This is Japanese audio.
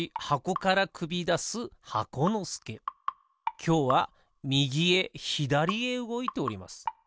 きょうはみぎへひだりへうごいております。